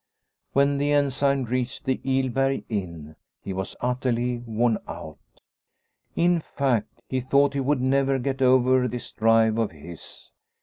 When the Ensign reached the Ilberg inn he was utterly worn out ; in fact, he thought he would never get over this drive of his.